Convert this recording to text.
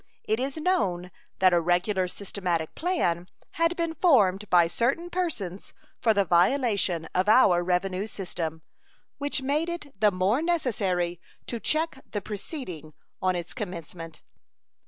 It is known that a regular systematic plan had been formed by certain persons for the violation of our revenue system, which made it the more necessary to check the proceeding in its commencement.